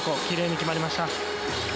きれいに決まりました。